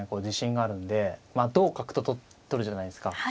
自信があるんで同角と取るじゃないですか。